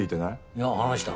いや話した。